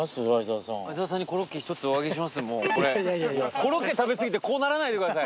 コロッケ食べ過ぎてこうならないでくださいね。